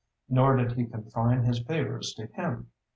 Nor did he confine his favors to him.